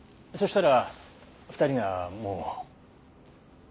そしたら２人がもう。